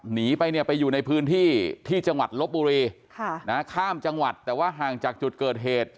หนีไปเนี่ยไปอยู่ในพื้นที่ที่จังหวัดลบบุรีข้ามจังหวัดแต่ว่าห่างจากจุดเกิดเหตุ